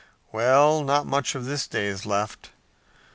Well, not much of this day is left.